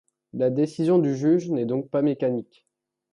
La décision du juge n'est donc pas mécanique.